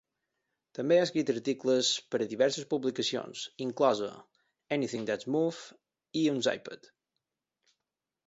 També ha escrit articles per a diverses publicacions, inclosa "Anything That Moves" i "Unzipped".